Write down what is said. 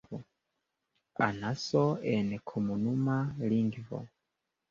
Anaso en komunuma lingvo.